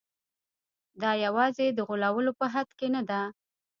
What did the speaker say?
دا یوازې د غولولو په حد کې نه ده.